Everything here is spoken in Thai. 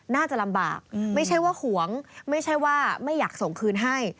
น่าจะลำบากไม่ใช่ว่าหวงไม่ใช่ว่าไม่อยากส่งคืนให้